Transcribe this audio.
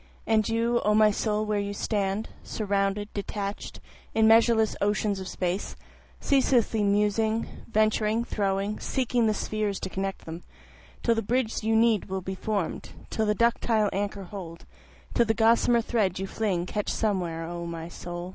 And you O my soul where you stand, Surrounded, detached, in measureless oceans of space, Ceaselessly musing, venturing, throwing, seeking the spheres to connect them, Till the bridge you will need be form'd, till the ductile anchor hold, Till the gossamer thread you fling catch somewhere, O my soul.